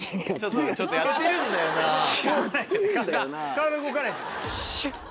顔動かないで。